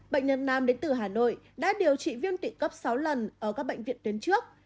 bệnh nhân nam đến từ hà nội đã điều trị viêm tỷ cấp sáu lần ở các bệnh viện tuyến trước